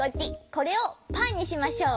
これをパーにしましょう。